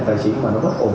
tài chính mà nó bất ổn